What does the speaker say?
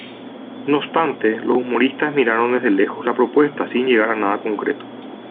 No obstante, los humoristas miraron desde lejos la propuesta, sin llegar a nada concreto.